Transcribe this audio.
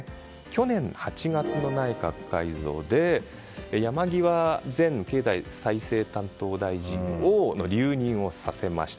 去年８月の内閣改造で山際前経済再生担当大臣の留任をさせました。